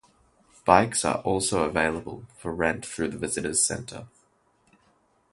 Bikes are also available for rent through the visitors center.